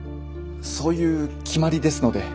そういう決まりですので。